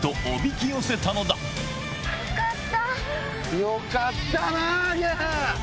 よかった！